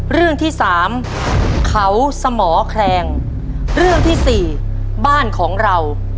เรื่องที่สามเขาสมอแคลงเรื่องที่สี่บ้านของเรา